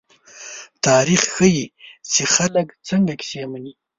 تاریخ ښيي، چې خلک څنګه کیسې مني.